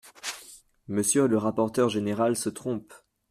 Monsieur le rapporteur général se trompe.